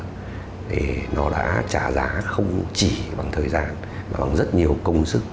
thì nó đã trả giá không chỉ bằng thời gian mà bằng rất nhiều công sức